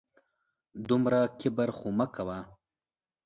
دومره کبر خو مه کوه